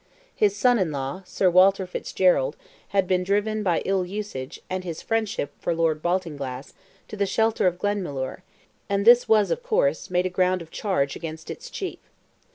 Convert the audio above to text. His son in law, Sir Walter Fitzgerald, had been driven by ill usage, and his friendship for Lord Baltinglass, to the shelter of Glenmalure, and this was, of course, made a ground of charge against its chief.